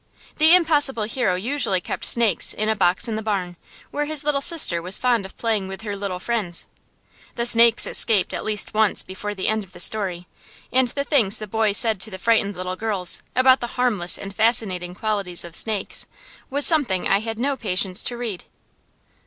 The impossible hero usually kept snakes in a box in the barn, where his little sister was fond of playing with her little friends. The snakes escaped at least once before the end of the story; and the things the boy said to the frightened little girls, about the harmless and fascinating qualities of snakes, was something I had no patience to read.